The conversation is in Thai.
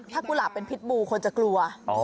ถ้ากุหลาบเป็นพิษบูคนจะกลัว